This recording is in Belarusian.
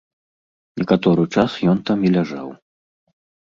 Некаторы час ён там і ляжаў.